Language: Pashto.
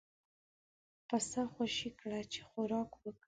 پسه خوشی کړه چې خوراک وکړي.